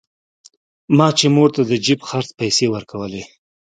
ما چې مور ته د جيب خرڅ پيسې ورکولې.